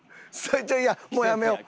いやもうやめよう。